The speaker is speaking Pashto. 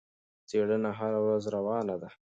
څېړنه هره ورځ روانه ده.